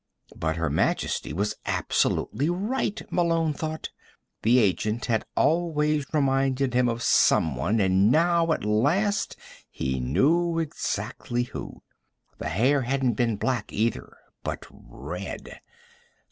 But Her Majesty was absolutely right, Malone thought. The agent had always reminded him of someone, and now, at last, he knew exactly who. The hair hadn't been black, either, but red.